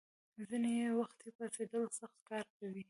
ځینې یې وختي پاڅېدلي او سخت کار کوي.